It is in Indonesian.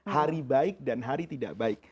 hari baik dan hari tidak baik